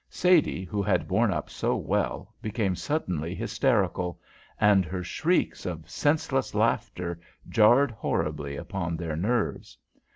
Sadie, who had borne up so well, became suddenly hysterical, and her shrieks of senseless laughter jarred horribly upon their nerves.